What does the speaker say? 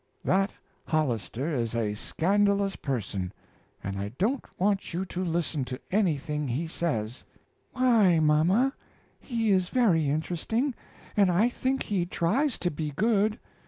"That Hollister is a scandalous person, and I don't want you to listen to anything he says." "Why, mama, he is very interesting, and I think he tries to be good.